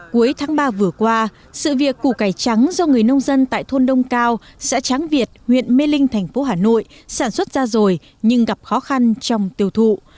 cuối tháng ba vừa qua sự việc củ cải trắng do người nông dân tại thôn đông cao xã tráng việt huyện mê linh thành phố hà nội sản xuất ra rồi nhưng gặp khó khăn trong tiêu thụ